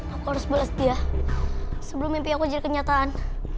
aku harus beres dia sebelum mimpi aku jadi kenyataan